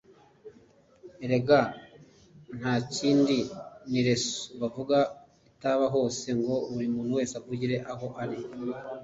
erega nta kindi ni reseau bavuga itaba hose, ngo buri wese avugire aho ari